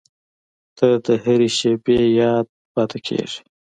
• ته د هر شېبې یاد پاتې کېږې.